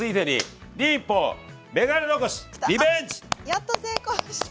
やっと成功した！